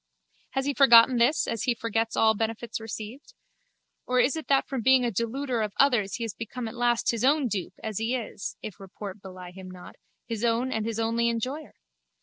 Has he forgotten this as he forgets all benefits received? Or is it that from being a deluder of others he has become at last his own dupe as he is, if report belie him not, his own and his only enjoyer?